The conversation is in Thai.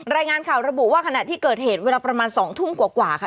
รายงานข่าวระบุว่าขณะที่เกิดเหตุเวลาประมาณ๒ทุ่มกว่าค่ะ